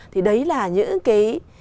thì đấy là những cái